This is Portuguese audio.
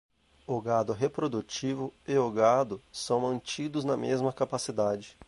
O gado reprodutivo e o gado são mantidos na mesma capacidade.